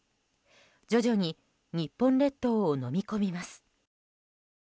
徐々に日本列島をのみ込みます。